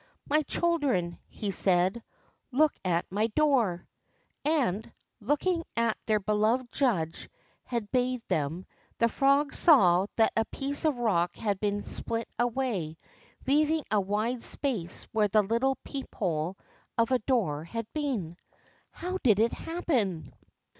My children," he said, look at my door." And, looking as their beloved judge had bade them, the frogs saw that a piece of rock had been split away, leaving a wide space where the little peep hole of a door had been. How did it happen